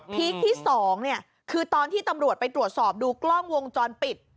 คที่๒คือตอนที่ตำรวจไปตรวจสอบดูกล้องวงจรปิด